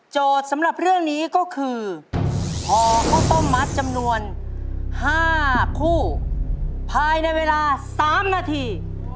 โจทย์สำหรับเรื่องนี้ก็คือพอก็ต้องมัดจำนวน๕คู่ภายในเวลา๓นาที